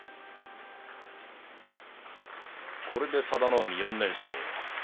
これで、佐田の海、４連勝。